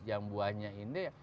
yang buahnya indah